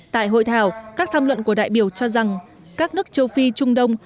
tại hội thảo các tham luận của đại biểu cho rằng các nước châu phi trung đông